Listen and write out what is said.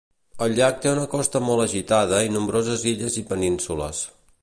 El llac té una costa molt agitada i nombroses illes i penínsules.